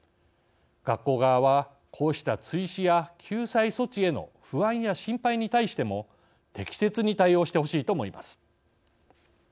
学校側はこうした追試や救済措置への不安や心配に対しても適切に対応してほしいと思います。